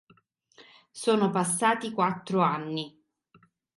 Sono passati quattro anni.